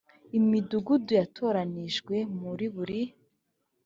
imidugudu yatoranijwe muri buri